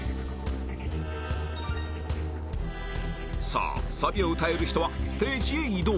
さあサビを歌える人はステージへ移動